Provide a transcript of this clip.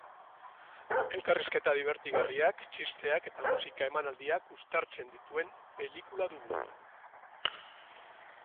Elkarrizketa dibertigarriak, txisteak eta musika emanaldiak uztartzen dituen pelikula dugu.